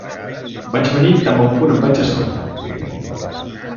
Vaig venir tan bon punt em vaig assabentar.